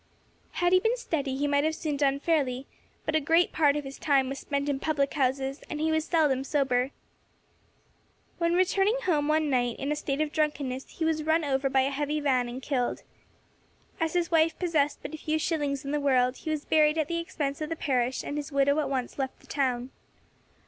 Had he been steady he might have soon done fairly, but a great part of his time was spent in public houses, and he was seldom sober. When returning home one night in a state of drunkenness, he was run over by a heavy van and killed. As his wife possessed but a few shillings in the world, he was buried at the expense of the parish and his widow at once left the town.